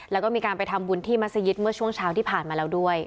แล้วก็มีการไปทำบุญที่มัศยิตเมื่อช่วงเช้าที่ผ่านมาแล้วด้วย